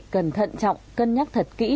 cần thận trọng cân nhắc thật kỹ